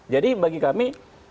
jadi bagi kami